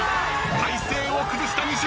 体勢を崩した西畑］